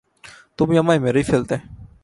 তুমি আমায় মেরেই ফেলতে!